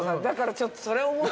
だからちょっとそれを。